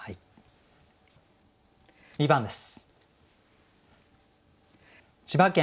２番です。